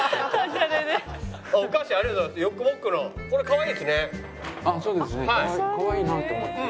かわいいなと思って。